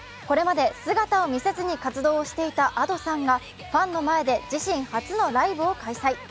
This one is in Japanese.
これまで姿を見せずに活動していたＡｄｏさんが、ファンの前で自身初のライブを開催。